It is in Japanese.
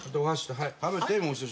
はい。